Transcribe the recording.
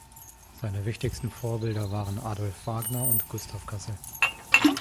Seine wichtigsten Vorbilder waren Adolph Wagner und Gustav Cassel.